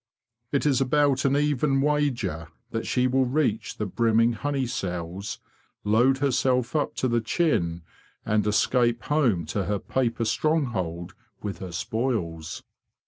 It is about an even wager that she will reach the brimming honey cells, load herself up to the chin, and escape home to her paper stronghold with her spoils.